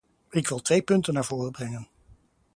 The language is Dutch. Ik wil twee punten naar voren brengen.